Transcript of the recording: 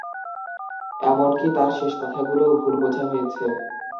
এমনকি তার শেষ কথাগুলোও ভুল বোঝা হয়েছে।